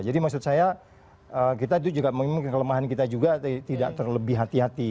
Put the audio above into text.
jadi maksud saya kita itu juga mungkin kelemahan kita juga tidak terlebih hati hati